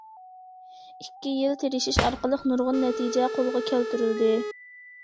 ئىككى يىل تىرىشىش ئارقىلىق نۇرغۇن نەتىجە قولغا كەلتۈرۈلدى.